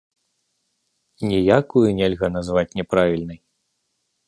Ніякую нельга назваць няправільнай.